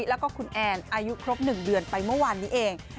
แล้วก็คุณแอนอายุครบ๑เดือนไปเมื่อวานนี้เอง